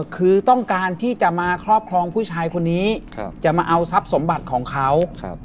คือต้องการที่จะมาครอบครองผู้ชายคนนี้จะมาเอาทรัพย์สมบัติของเขา